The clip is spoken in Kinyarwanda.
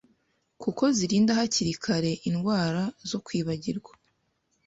kuko zirinda hakiri kare indwara zo kwibagirwa